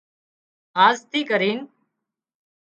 آز ٿي ڪرين